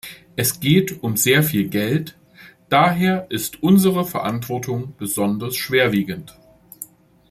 Es geht um sehr viel Geld, daher ist unsere Verantwortung besonders schwerwiegend.